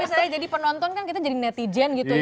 kalau misalnya jadi penonton kan kita jadi netizen gitu ya